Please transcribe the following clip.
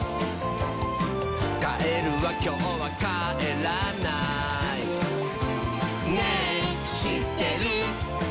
「カエルはきょうはかえらない」「ねぇしってる？」